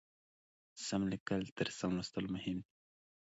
سم لیکل تر سم لوستلو مهم دي.